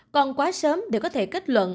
còn quá sớm đều có thể kết luận